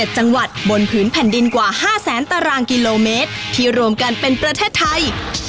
๗จังหวัดบนผืนแผ่นดินกว่า๕แสนตารางกิโลเมตรที่รวมกันเป็นประเทศไทย